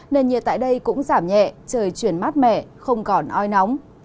nền nhiệt tại đây cũng giảm nhẹ trời chuyển mát mẻ không còn oi nóng